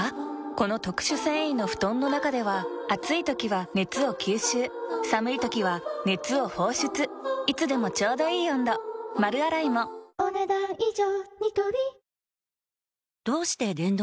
この特殊繊維の布団の中では暑い時は熱を吸収寒い時は熱を放出いつでもちょうどいい温度丸洗いもお、ねだん以上。